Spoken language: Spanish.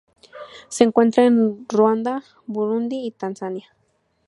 Se encuentra en Ruanda, Burundi y Tanzania.